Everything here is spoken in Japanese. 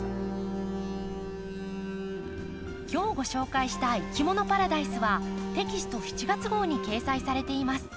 今日ご紹介した「いきものパラダイス」はテキスト７月号に掲載されています。